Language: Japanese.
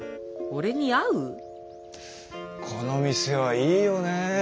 この店はいいよね。